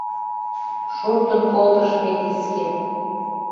— шортын колтыш метиске.